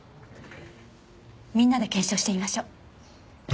みんなで検証してみましょう。